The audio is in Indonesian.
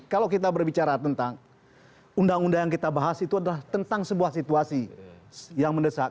kalau kita berbicara tentang undang undang yang kita bahas itu adalah tentang sebuah situasi yang mendesak